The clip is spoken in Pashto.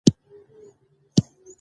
د خولې صدف یې ګوهر ولوراوه